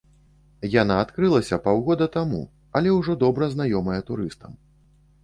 Яна адкрылася паўгода таму, але ўжо добра знаёмая турыстам.